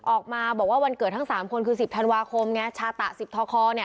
ออกมาบอกว่าวันเกิดทั้ง๓คนคือ๑๐ธันวาคมไงชาตะ๑๐ทอคอเนี่ย